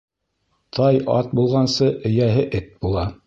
Тай ат булғансы, эйәһе эт була.